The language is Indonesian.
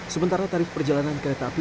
sementara tarif perjalanan kereta api